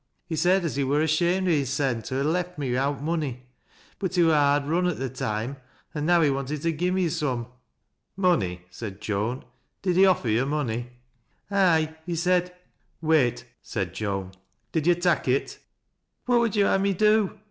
He said at he wur ashamed o' hissen to ha' left me wi'out money, but he wur hard run at the toime, an' now he wanted to gi' me some." " Money 1 " said Joan. " Did he offer yo' money i "" Aye, he said "« Wait !" said Joan. « Did yo' tak' it ?"" "What would yo' ha' me do